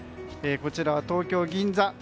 こちらは東京・銀座。